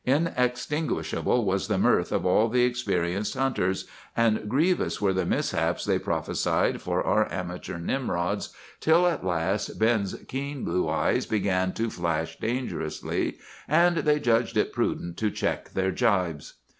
Inextinguishable was the mirth of all the experienced hunters, and grievous were the mishaps they prophesied for our amateur Nimrods till at last Ben's keen blue eyes began to flash dangerously, and they judged it prudent to check their jibes.